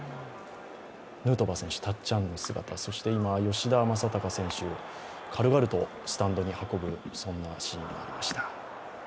ヌートバー選手、たっちゃんの姿、今、吉田正尚選手、軽々とスタンドに運ぶシーンがありました。